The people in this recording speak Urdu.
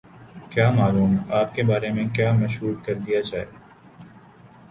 کیا معلوم آپ کے بارے میں کیا مشہور کر دیا جائے؟